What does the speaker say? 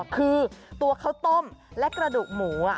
คือตัวข้าวต้มและกระดูกหมู